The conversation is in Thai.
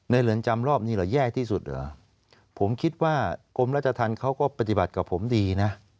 เรือนจำรอบนี้เหรอแย่ที่สุดเหรอผมคิดว่ากรมราชธรรมเขาก็ปฏิบัติกับผมดีนะ